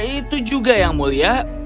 itu juga yang mulia